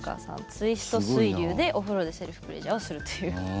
ツイスト水流でお風呂でセルフプレジャーをするというもの。